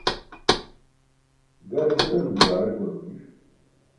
gare buṭan bubaarak goor maniṣ